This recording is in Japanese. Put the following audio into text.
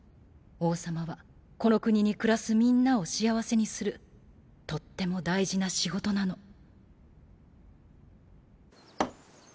王様はこの国に暮らすみんなを幸せにするとっても大事な仕事なの。